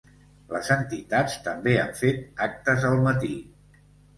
Les entitats també han fet actes al matí.